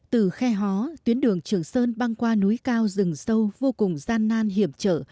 từ khe hó tuyến đường trường sơn băng qua núi cao rừng sâu vô cùng gian nan hiểm trở